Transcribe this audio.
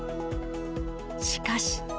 しかし。